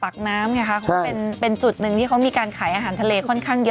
เพราะว่าตลาดักน้ำค่ะเขาก็เป็นจุดนึงที่มีการขายอาหารทะเลค่อนข้างเยอะ